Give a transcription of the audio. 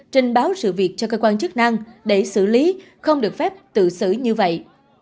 trình báo sự việc cho cơ quan chức năng để xử lý không được phép tự xử như vậy